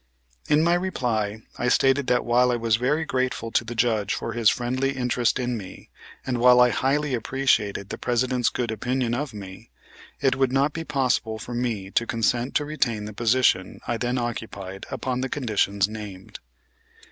In my reply I stated that while I was very grateful to the Judge for his friendly interest in me, and while I highly appreciated the President's good opinion of me, it would not be possible for me to consent to retain the position I then occupied upon the conditions named.